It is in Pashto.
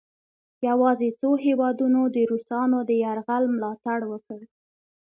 یواځې څو هیوادونو د روسانو د یرغل ملا تړ وکړ.